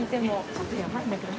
ちょっとヤバいんだけど。